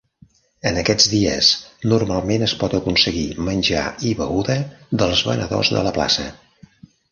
En aquests dies, normalment es pot aconseguir menjar i beguda dels venedors de la plaça.